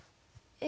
え？